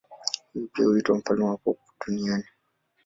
Huyu pia huitwa mfalme wa pop duniani.